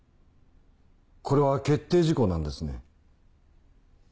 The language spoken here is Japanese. これは決定事項なんですね？